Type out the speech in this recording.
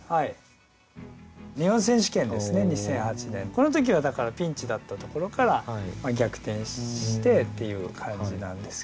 この時はだからピンチだったところから逆転してっていう感じなんですけど。